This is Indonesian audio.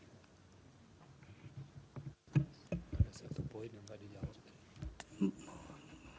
ada satu poin yang nggak dijawab